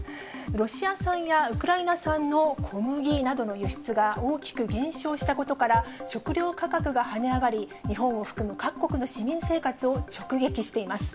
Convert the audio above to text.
ロシア産やウクライナ産の小麦などの輸出が大きく減少したことから、食料価格が跳ね上がり、日本を含む各国の市民生活を直撃しています。